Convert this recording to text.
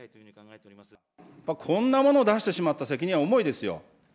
こんなものを出してしまった責任は重いですよ。